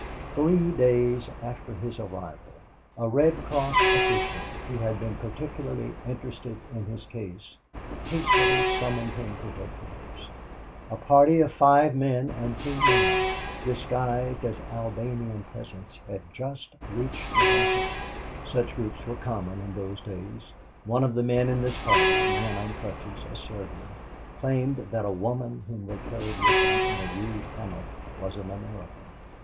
Three days after his arrival, a Red Cross official, who had been particularly interested in his case, hastily summoned him to headquarters. A party of five men and two women, disguised as Albanian peasants, had just reached Durazzo. Such groups were common in those days. One of the men in this party a man on crutches, a Serbian, claimed that a woman whom they carried with them in a rude hammock was an American.